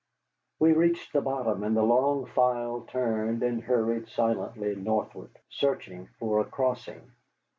We reached the bottom, and the long file turned and hurried silently northward, searching for a crossing.